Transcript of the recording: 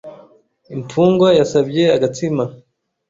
Imfungwa yasabye agatsima.